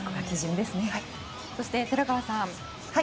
そして寺川さん